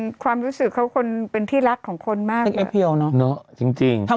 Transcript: คนรักความรู้สึกเขาเป็นที่รักของคนมากเลยจริง